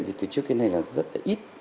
thì từ trước cái này là rất là ít